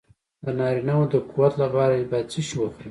د نارینه وو د قوت لپاره باید څه شی وخورم؟